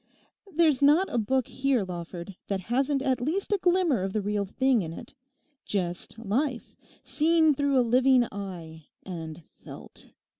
There's not a book here, Lawford, that hasn't at least a glimmer of the real thing in it—just Life, seen through a living eye, and felt.